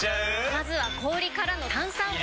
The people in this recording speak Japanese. まずは氷からの炭酸！入れの